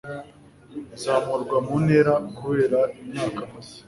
izamurwa mu ntera kubera imyaka amaze